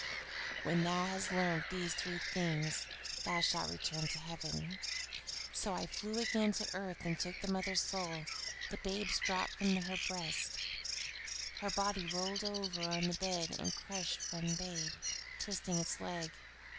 When thou has learnt these things, thou shalt return to heaven.' So I flew again to earth and took the mother's soul. The babes dropped from her breasts. Her body rolled over on the bed and crushed one babe, twisting its leg.